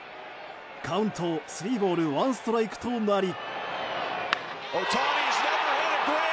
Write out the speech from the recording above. カウントスリーボールワンストライクとなり。